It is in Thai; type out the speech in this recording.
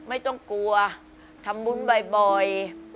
ไม่ต้องกลัวทำบุญบ่อย